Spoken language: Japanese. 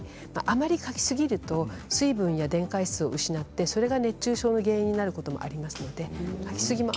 あまりかきすぎると水分や電解質を失って熱中症の原因になりますのでかきすぎも